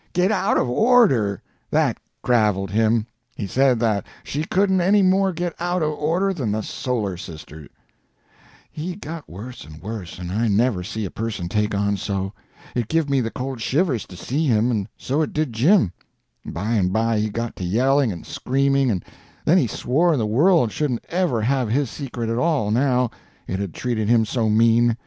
Get out of order! That graveled him; he said that she couldn't any more get out of order than the solar sister. [Illustration: "He said he would sail his balloon around the world"] He got worse and worse, and I never see a person take on so. It give me the cold shivers to see him, and so it did Jim. By and by he got to yelling and screaming, and then he swore the world shouldn't ever have his secret at all now, it had treated him so mean.